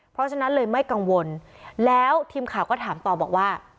เพราะฉะนั้นเลยไม่กังวลแล้วทีมข่าวก็ถามต่อบอกว่า